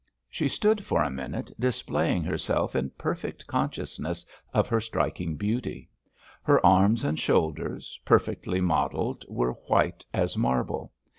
She stood for a minute displaying herself in perfect consciousness of her striking beauty. Her arms and shoulders, perfectly modelled, were white as marble.